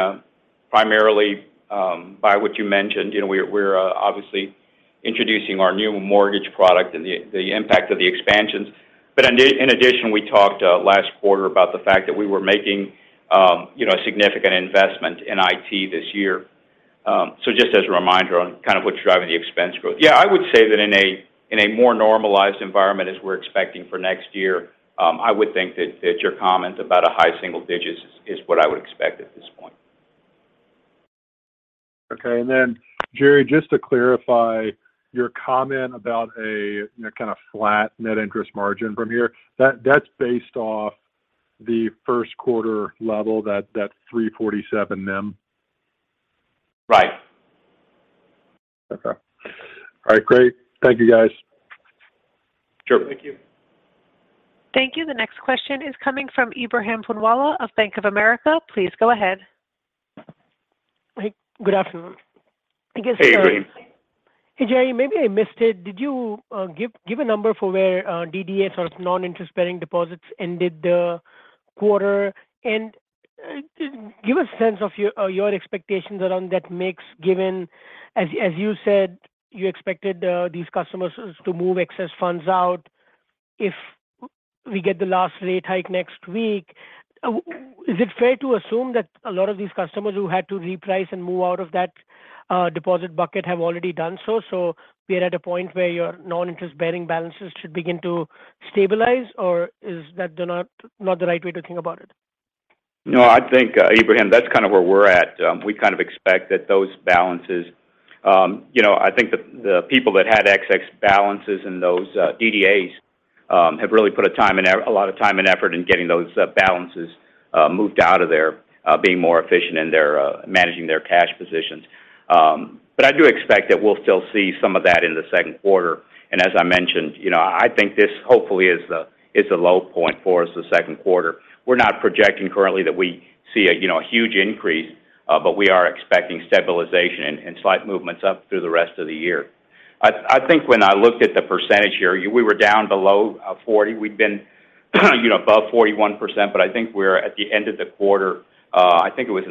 primarily by what you mentioned. You know, we're obviously introducing our new mortgage product and the impact of the expansions. But in addition, we talked last quarter about the fact that we were making, you know, a significant investment in IT this year. Just as a reminder on kind of what's driving the expense growth. Yeah, I would say that in a more normalized environment as we're expecting for next year, I would think that your comment about a high single digits is what I would expect at this point. Okay. Jerry, just to clarify your comment about a kind of flat net interest margin from here, that's based off the first quarter level, that 3.47% NIM? Right. Okay. All right, great. Thank you, guys. Sure. Thank you. Thank you. The next question is coming from Ebrahim Poonawala of Bank of America. Please go ahead. Hey, good afternoon. Hey, Ebrahim. Hey, Jerry. Maybe I missed it. Did you give a number for where DDAs or non-interest-bearing deposits ended the quarter? Give a sense of your expectations around that mix, given, as you said, you expected these customers to move excess funds out. If we get the last rate hike next week, is it fair to assume that a lot of these customers who had to reprice and move out of that deposit bucket have already done so we're at a point where your non-interest-bearing balances should begin to stabilize? Or is that not the right way to think about it? I think, Ebrahim, that's kind of where we're at. We kind of expect that those balances, you know, I think the people that had excess balances in those DDAs have really put a lot of time and effort in getting those balances moved out of there, being more efficient in their managing their cash positions. I do expect that we'll still see some of that in the second quarter. As I mentioned, you know, I think this hopefully is the low point for us this second quarter. We're not projecting currently that we see a, you know, huge increase, we are expecting stabilization and slight movements up through the rest of the year. I think when I looked at the percentage here, we were down below 40%. We've been, you know, above 41%, but I think we're at the end of the quarter, I think it was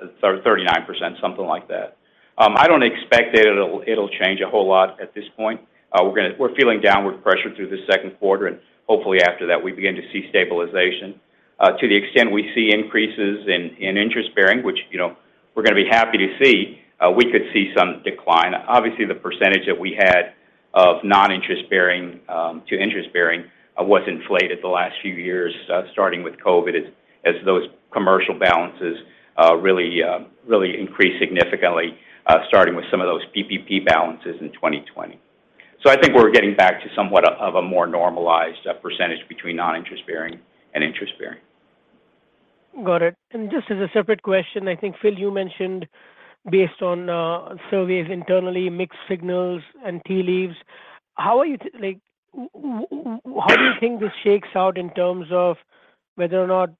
in 39%, something like that. I don't expect that it'll change a whole lot at this point. We're feeling downward pressure through the second quarter, and hopefully after that we begin to see stabilization. To the extent we see increases in interest bearing, which, you know, we're gonna be happy to see, we could see some decline. Obviously, the percentage that we had of non-interest bearing to interest bearing was inflated the last few years, starting with COVID as those commercial balances really increased significantly, starting with some of those PPP balances in 2020. I think we're getting back to somewhat of a more normalized percentage between non-interest bearing and interest bearing. Got it. Just as a separate question, I think, Phil, you mentioned based on surveys internally, mixed signals and tea leaves. How are you like, how do you think this shakes out in terms of whether or not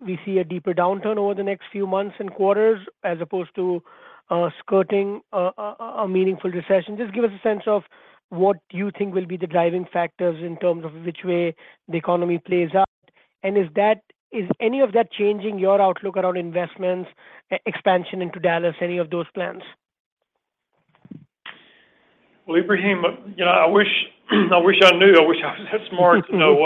we see a deeper downturn over the next few months and quarters as opposed to skirting a meaningful recession? Just give us a sense of what you think will be the driving factors in terms of which way the economy plays out. Is any of that changing your outlook around investments, expansion into Dallas, any of those plans? Well, Ebrahim, you know, I wish I knew. I wish I was smart to know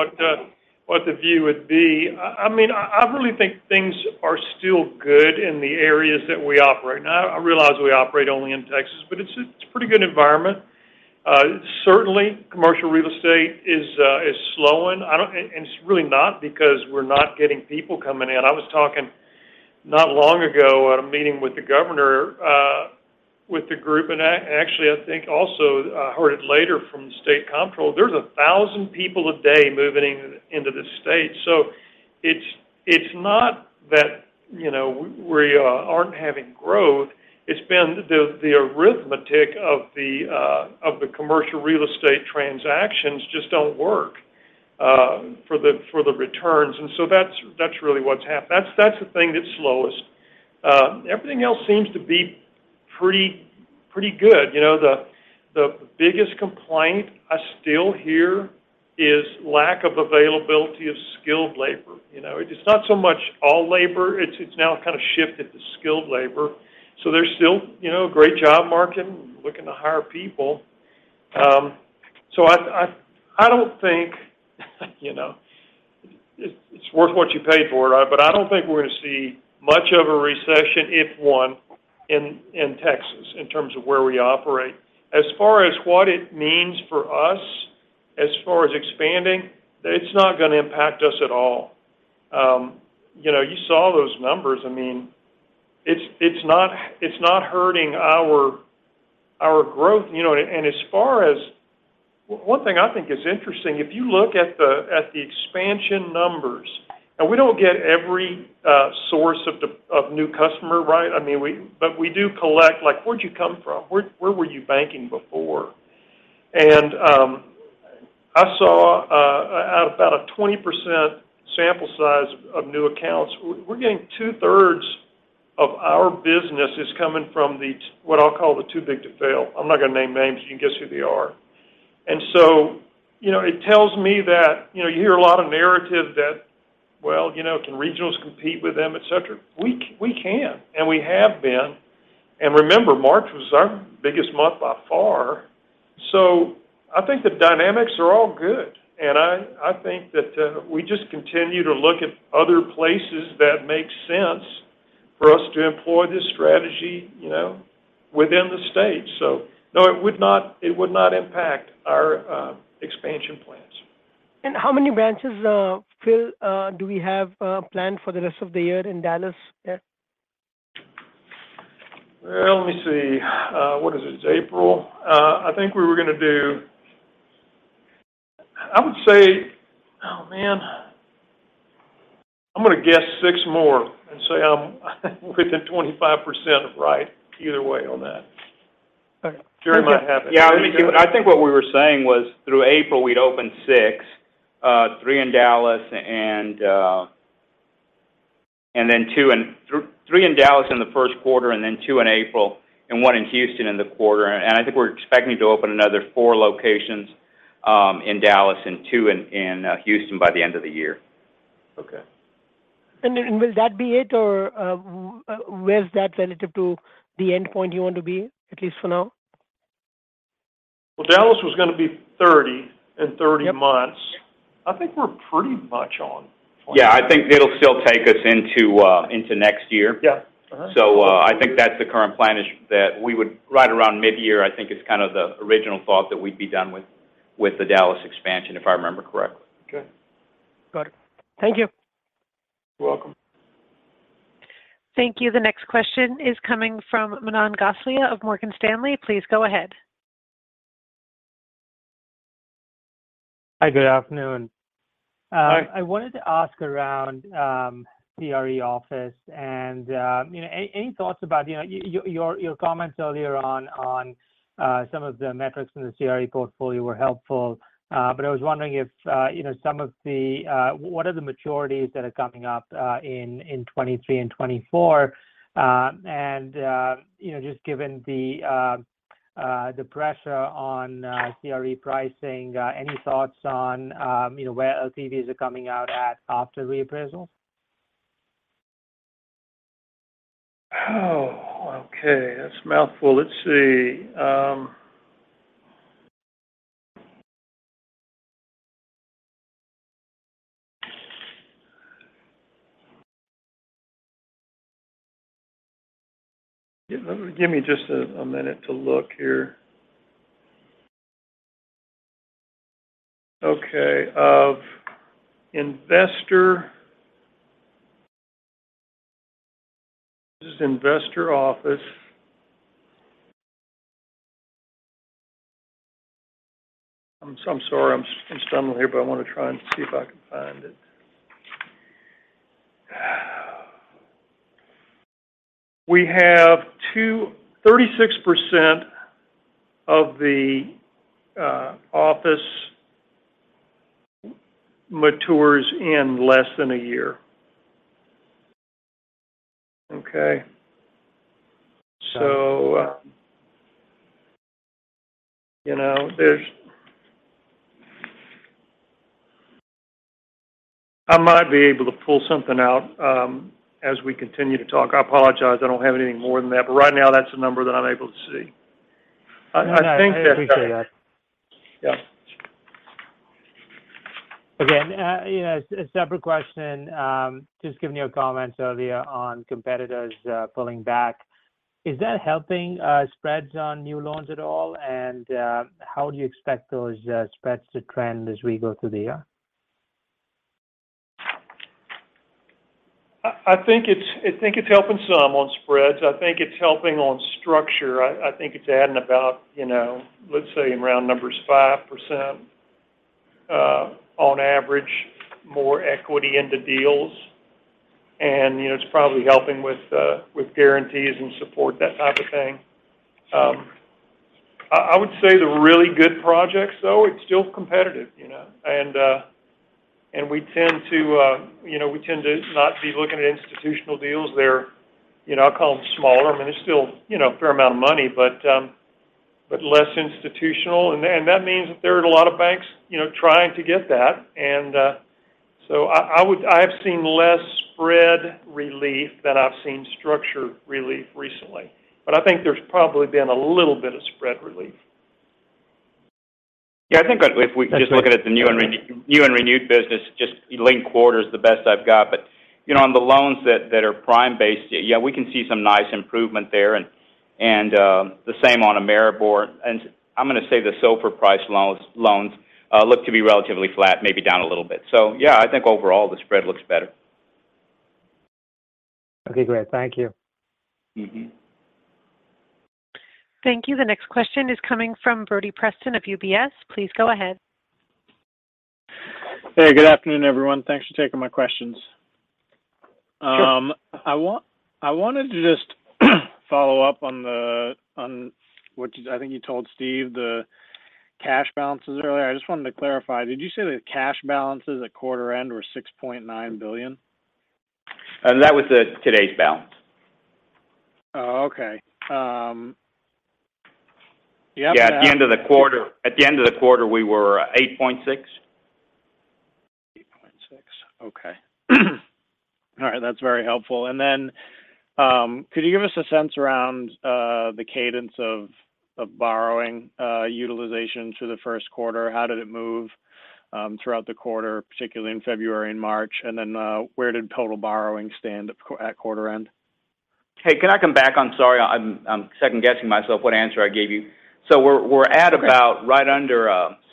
what the view would be. I mean, I really think things are still good in the areas that we operate. I realize we operate only in Texas, but it's pretty good environment. Certainly Commercial Real Estate is slowing. It's really not because we're not getting people coming in. I was talking not long ago at a meeting with the governor, with the group, actually, I think also I heard it later from the State Comptroller, there's 1,000 people a day moving into the state. It's not that, you know, we aren't having growth. It's been the arithmetic of the commercial real estate transactions just don't work for the returns. That's really the thing that's slowest. Everything else seems to be pretty good. You know, the biggest complaint I still hear is lack of availability of skilled labor. You know, it's not so much all labor. It's now kind of shifted to skilled labor. There's still, you know, great job market, looking to hire people. I don't think, you know... It's worth what you pay for it. I don't think we're gonna see much of a recession, if one, in Texas in terms of where we operate. As far as what it means for us, as far as expanding, it's not gonna impact us at all. You know, you saw those numbers. I mean, it's not, it's not hurting our growth, you know. As far as one thing I think is interesting, if you look at the expansion numbers, and we don't get every source of the of new customer right. I mean, but we do collect, like, where'd you come from? Where were you banking before? I saw about a 20% sample size of new accounts. We're getting two-thirds of our business is coming from what I'll call the two big to fail. I'm not gonna name names. You can guess who they are. You know, it tells me that, you know, you hear a lot of narrative that, well, you know, can regionals compete with them, et cetera. We can, and we have been. Remember, March was our biggest month by far. I think the dynamics are all good. I think that we just continue to look at other places that make sense for us to employ this strategy, you know, within the state. No, it would not impact our expansion plans. How many branches, Phil, do we have planned for the rest of the year in Dallas there? Well, let me see. What is it? It's April. I think we were gonna do, I would say, Oh, man. I'm gonna guess six more and say I'm within 25% of right either way on that. Okay. Thank you. Jerry might have it. Yeah. Let me see. I think what we were saying was through April, we'd open six, three in Dallas in the first quarter and then two in April and one in Houston in the quarter. I think we're expecting to open another four locations in Dallas and two in Houston by the end of the year. Okay. Will that be it or, where's that relative to the endpoint you want to be, at least for now? Well, Dallas was gonna be 30 in 30 months. Yep. I think we're pretty much on plan. Yeah. I think it'll still take us into next year. Yeah. All right. I think that's the current plan is that we would right around mid-year, I think is kind of the original thought that we'd be done with the Dallas expansion, if I remember correctly. Okay. Got it. Thank you. You're welcome. Thank you. The next question is coming from Manan Gosalia of Morgan Stanley. Please go ahead. Hi. Good afternoon. Hi. I wanted to ask around CRE office and thoughts about your comments earlier on some of the metrics in the CRE portfolio were helpful. But I was wondering what are the maturities that are coming up in 2023 and 2024? Just given the pressure on CRE pricing, any thoughts on where LTVs are coming out at after reappraisal? Oh, okay. That's a mouthful. Let's see. Give me just a minute to look here. Okay. This is investor office. I'm so sorry. I'm stumbling here, but I wanna try and see if I can find it. We have 36% of the office matures in less than a year. Okay. You know, I might be able to pull something out as we continue to talk. I apologize, I don't have anything more than that. Right now that's the number that I'm able to see. I think that. No, I appreciate that. Yeah. Again, you know, a separate question, just given your comments earlier on competitors pulling back. Is that helping spreads on new loans at all? How do you expect those spreads to trend as we go through the year? I think it's helping some on spreads. I think it's helping on structure. I think it's adding about, you know, let's say in round numbers, 5% on average, more equity into deals. You know, it's probably helping with guarantees and support, that type of thing. I would say the really good projects though, it's still competitive, you know. we tend to, you know, we tend to not be looking at institutional deals. They're, you know, I call them smaller. I mean, it's still, you know, a fair amount of money, but less institutional. That means that there are a lot of banks, you know, trying to get that. So I've seen less spread relief than I've seen structure relief recently. I think there's probably been a little bit of spread relief. I think if we can just look at the new and renewed business, just linked quarters, the best I've got. You know, on the loans that are prime-based, we can see some nice improvement there and the same on Ameribor. I'm gonna say the SOFR price loans look to be relatively flat, maybe down a little bit. I think overall the spread looks better. Okay, great. Thank you. Mm-hmm. Thank you. The next question is coming from Brody Preston of UBS. Please go ahead. Hey, good afternoon, everyone. Thanks for taking my questions. Sure. I wanted to just follow up on the, on what you, I think you told Steve, the cash balances earlier. I just wanted to clarify. Did you say the cash balances at quarter end were $6.9 billion? That was the today's balance. Oh, okay. Yeah. Yeah. At the end of the quarter, we were 8.6. 8.6. Okay. All right. That's very helpful. Could you give us a sense around the cadence of borrowing utilization through the first quarter? How did it move throughout the quarter, particularly in February and March? Where did total borrowing stand at quarter end? Hey, can I come back? I'm sorry. I'm second guessing myself what answer I gave you. We're at about right under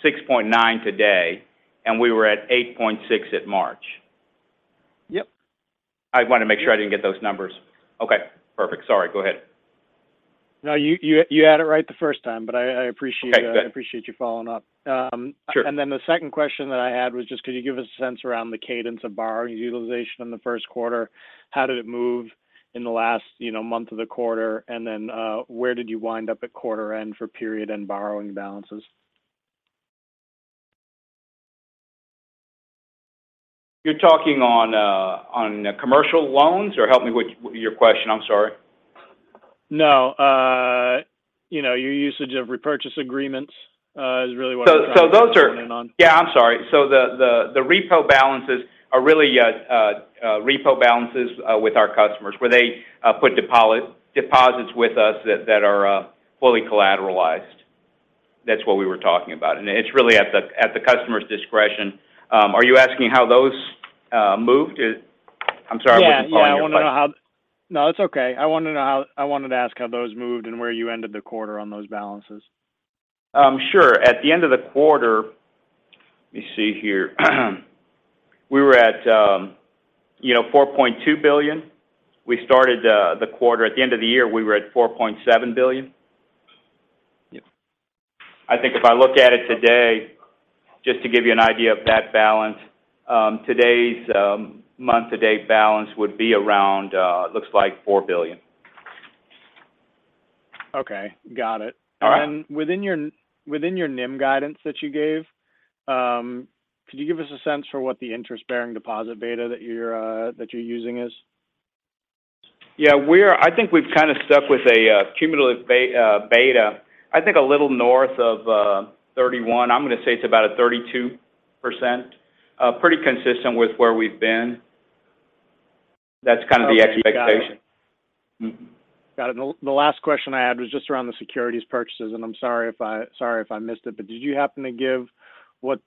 6.9% today, we were at 8.6% at March. Yep. I want to make sure I didn't get those numbers. Okay, perfect. Sorry. Go ahead. No. You had it right the first time, but I appreciate. Okay, good. I appreciate you following up. Sure. The second question that I had was just could you give us a sense around the cadence of borrowing utilization in the first quarter? How did it move in the last, you know, month of the quarter? Where did you wind up at quarter end for period and borrowing balances? You're talking on commercial loans? Help me with your question. I'm sorry. No. You know, your usage of repurchase agreements is really what I'm trying to home in on. Those are... Yeah, I'm sorry. The repo balances are really repo balances with our customers, where they put deposits with us that are fully collateralized. That's what we were talking about. It's really at the customer's discretion. Are you asking how those moved? I'm sorry, I wasn't following your question. Yeah. Yeah. No, it's okay. I wanted to ask how those moved and where you ended the quarter on those balances. Sure. At the end of the quarter. We were at $4.2 billion. We started the quarter. At the end of the year, we were at $4.7 billion. Yep. I think if I look at it today, just to give you an idea of that balance, today's month to date balance would be around, looks like $4 billion. Okay. Got it. All right. Within your NIM guidance that you gave, could you give us a sense for what the interest-bearing deposit beta that you're using is? Yeah. I think we've kind of stuck with a cumulative beta, I think a little north of 31. I'm gonna say it's about a 32%. Pretty consistent with where we've been. That's kind of the expectation. Okay. Got it. Mm-hmm. Got it. The last question I had was just around the securities purchases, I'm sorry if I missed it, did you happen to give what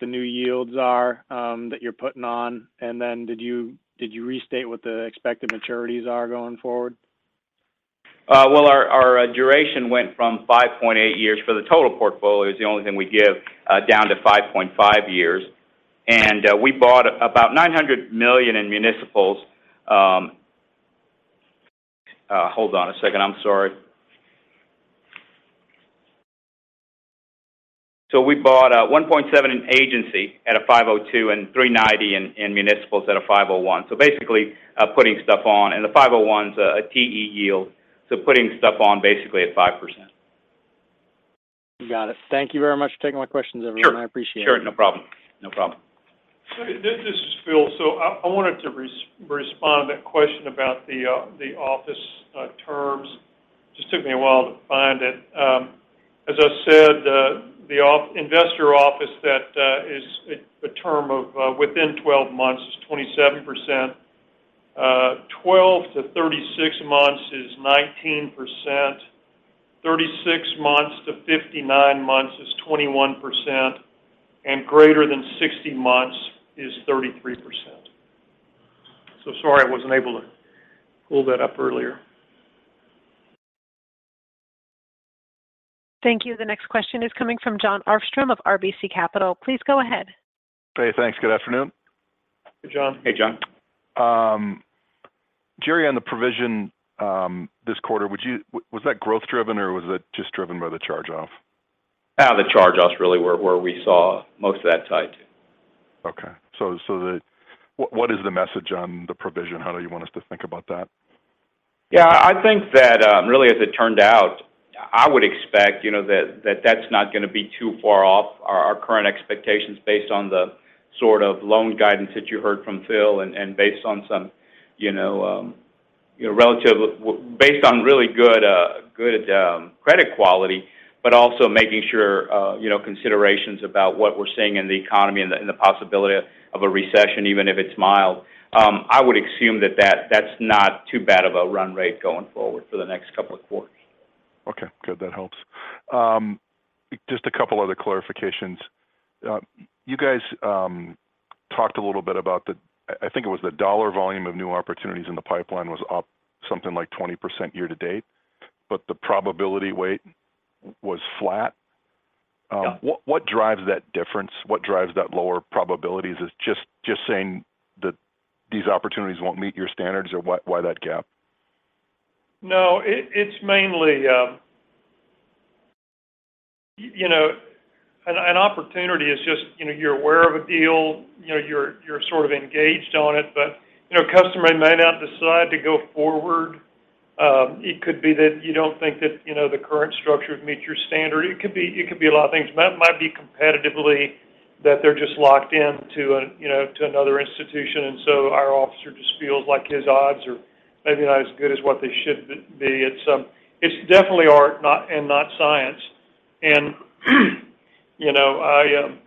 the new yields are that you're putting on? Did you restate what the expected maturities are going forward? Our duration went from 5.8 years for the total portfolio, is the only thing we give, down to 5.5 years. We bought about $900 million in municipals. Hold on a second. I'm sorry. We bought $1.7 million in agency at a 502, and $390 million in municipals at a 501. Basically, putting stuff on. The 501's a TE yield, putting stuff on basically at 5%. You got it. Thank you very much for taking my questions, everyone. Sure. I appreciate it. Sure. No problem. No problem. This is Phil. I wanted to respond to that question about the office terms. Just took me a while to find it. As I said, the investor office that is at the term of within 12 months is 27%. 12 to 36 months is 19%. 36 months to 59 months is 21%. Greater than 60 months is 33%. Sorry I wasn't able to pull that up earlier. Thank you. The next question is coming from Jon Arfstrom of RBC Capital. Please go ahead. Hey, thanks. Good afternoon. Hey, Jon. Hey, Jon. Jerry, on the provision, this quarter, was that growth driven or was it just driven by the charge-off? The charge-offs really were where we saw most of that tied to. Okay. What is the message on the provision? How do you want us to think about that? Yeah. I think that, really as it turned out, I would expect, you know, that that's not gonna be too far off our current expectations based on the sort of loan guidance that you heard from Phil and based on some, you know, you know, based on really good credit quality. Also making sure, you know, considerations about what we're seeing in the economy and the possibility of a recession, even if it's mild. I would assume that that's not too bad of a run rate going forward for the next couple of quarters. Okay. Good. That helps. Just a couple other clarifications. You guys talked a little bit about the I think it was the dollar volume of new opportunities in the pipeline was up something like 20% year to date, but the probability weight was flat. Yeah. What drives that difference? What drives that lower probabilities? Is just saying that these opportunities won't meet your standards or why that gap? It's mainly, you know, an opportunity is just, you know, you're aware of a deal. You know, you're sort of engaged on it. You know, customer may not decide to go forward. It could be that you don't think that, you know, the current structure would meet your standard. It could be a lot of things. Might be competitively that they're just locked in to a, you know, to another institution, our officer just feels like his odds are maybe not as good as what they should be. It's definitely art not, and not science. You know, I.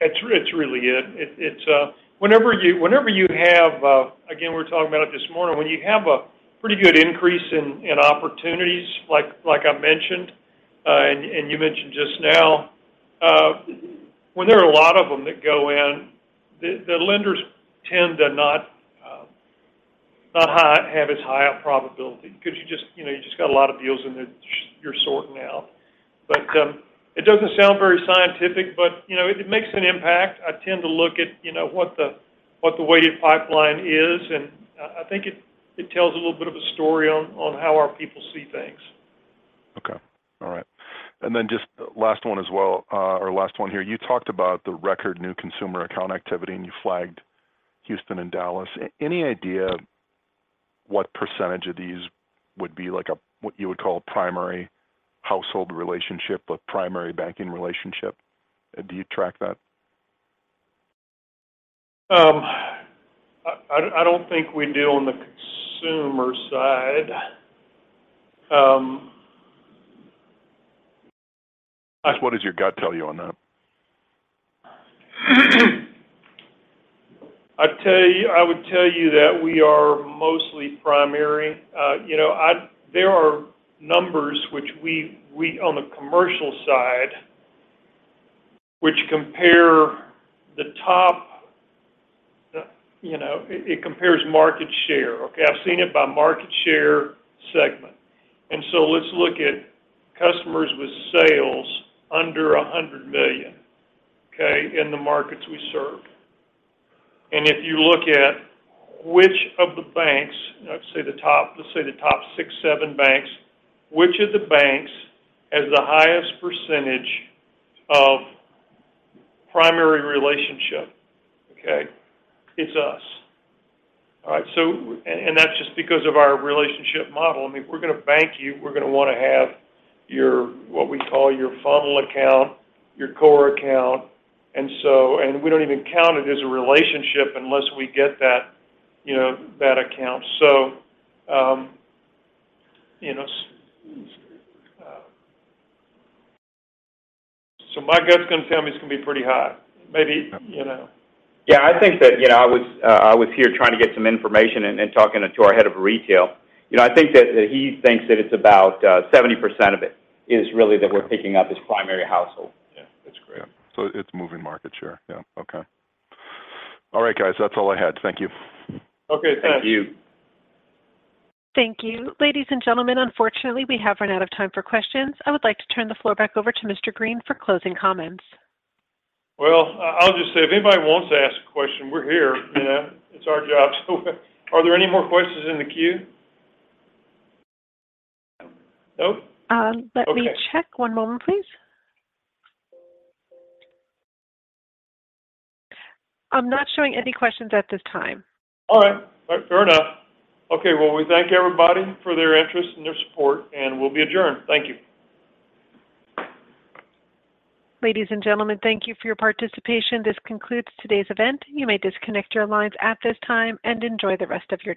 That's really it. It's, whenever you, whenever you have, again, we were talking about it this morning. When you have a pretty good increase in opportunities, like I mentioned, and you mentioned just now, when there are a lot of them that go in, the lenders tend to not have as high a probability because you just, you know, you just got a lot of deals in there you're sorting out. It doesn't sound very scientific, but, you know, it makes an impact. I tend to look at, you know, what the weighted pipeline is, and I think it tells a little bit of a story on how our people see things. Okay. All right. Then just last one as well, or last one here. You talked about the record new consumer account activity, and you flagged Houston and Dallas. Any idea what % of these would be like a, what you would call a primary household relationship or primary banking relationship? Do you track that? I don't think we do on the consumer side. Just what does your gut tell you on that? I would tell you that we are mostly primary. you know, there are numbers which we on the commercial side, which compare the top, you know, it compares market share, okay? I've seen it by market share segment. Let's look at customers with sales under $100 million, okay, in the markets we serve. If you look at which of the banks, let's say the top, let's say the top six, seven banks, which of the banks has the highest percentage of primary relationship, okay? It's us. All right. That's just because of our relationship model. I mean, if we're gonna bank you, we're gonna wanna have your, what we call your funnel account, your core account. We don't even count it as a relationship unless we get that, you know, that account. You know. My gut's gonna tell me it's gonna be pretty high. Maybe, you know. Yeah. I think that, you know, I was here trying to get some information and talking to our head of retail. You know, I think that he thinks that it's about 70% of it is really that we're picking up as primary household. Yeah. That's great. Yeah. It's moving market share. Yeah. Okay. All right, guys, that's all I had. Thank you. Okay. Thanks. Thank you. Thank you. Ladies and gentlemen, unfortunately, we have run out of time for questions. I would like to turn the floor back over to Mr. Green for closing comments. I'll just say if anybody wants to ask a question, we're here. You know, it's our job. Are there any more questions in the queue? Nope? Let me check. Okay. One moment please. I'm not showing any questions at this time. All right. Fair, fair enough. Okay. Well, we thank everybody for their interest and their support, and we'll be adjourned. Thank you. Ladies and gentlemen, thank you for your participation. This concludes today's event. You may disconnect your lines at this time, and enjoy the rest of your day.